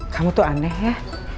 kamu tuh aneh ya